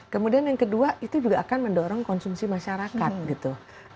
kemudian yang kedua itu juga akan mendorong konsumsi masyarakat gitu